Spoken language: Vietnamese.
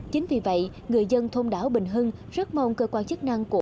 chính vì vậy người dân thôn đảo bình hưng rất mong cơ quan chức năng của